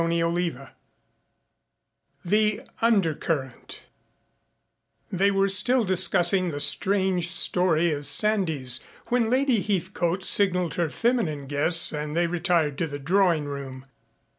CHAPTER II THE UNDERCURRENT They were still discussing the strange story of Sandys when Lady Heathcote signaled her feminine guests and they retired to the drawing room.